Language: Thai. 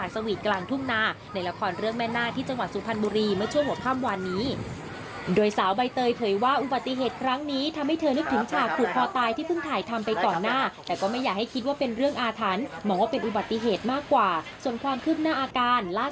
ส่วนความขึ้นหน้าอาการล่าสุดทีมแพทย์โรงพยาบาลเวทธานี